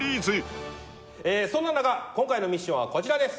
そんな中今回のミッションはこちらです。